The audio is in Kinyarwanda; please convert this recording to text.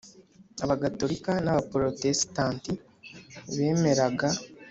Abagatolika n Abaporotesitanti bemeraga